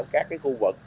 các khu vực